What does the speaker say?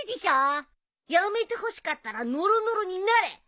やめてほしかったらノロノロになれ！